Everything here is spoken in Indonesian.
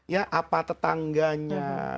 ya apa tetangganya